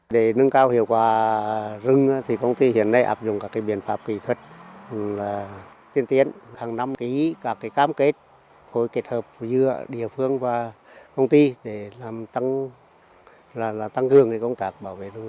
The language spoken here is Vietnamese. toàn tỉnh quảng trị có hơn hai mươi hai hectare rừng có chứng chỉ fsc do ba công ty và hơn năm trăm linh hộ dân trồng